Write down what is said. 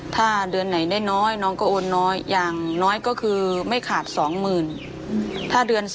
ถ้าเดือนไหนได้น้อยน้องก็โอนน้อยอย่างน้อยก็คือไม่ขาด๒๐๐๐